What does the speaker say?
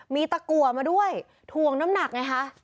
มีตะกัวมาด้วยถวงน้ำหนักไงคะ